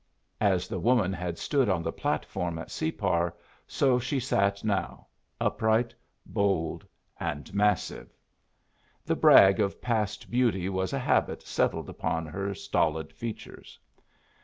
As the woman had stood on the platform at Separ, so she sat now, upright, bold, and massive. The brag of past beauty was a habit settled upon her stolid features.